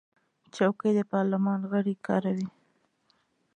چوکۍ د پارلمان غړي کاروي.